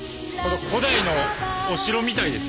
古代のお城みたいですね。